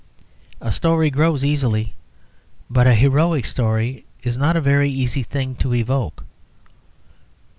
A story grows easily, but a heroic story is not a very easy thing to evoke.